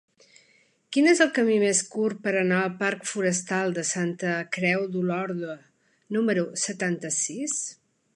Quin és el camí més curt per anar al parc Forestal de Santa Creu d'Olorda número setanta-sis?